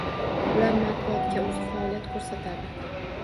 Ular matbuotga o‘zi faoliyat ko‘rsatadi.